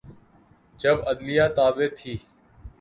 جب عدلیہ تابع تھی۔